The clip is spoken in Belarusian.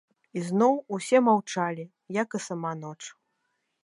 Ізноў усе маўчалі, як і сама ноч.